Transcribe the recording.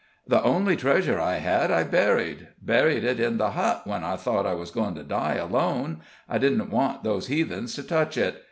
The only treasure I had I buried buried it in the hut, when I thought I was going to die alone I didn't wan't those heathens to touch it.